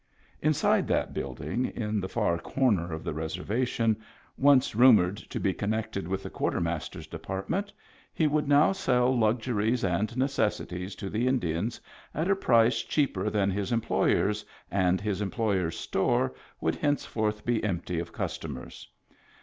Inside that building in the far comer of the reservation, once rumored to be connected with the Quartermaster's department, he would now sell luxuries and necessities to the Indians at a price cheaper than his employer's, and his employer's store would henceforth be empty of customers.